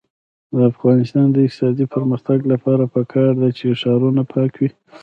د افغانستان د اقتصادي پرمختګ لپاره پکار ده چې ښارونه پاک وي.